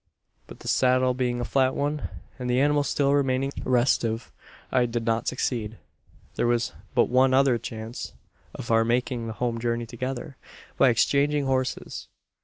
"But the saddle being a flat one, and the animal still remaining restive, I did not succeed. "There was but one other chance of our making the home journey together: by exchanging horses.